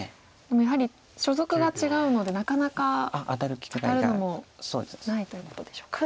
やはり所属が違うのでなかなか当たるのもないということでしょうか。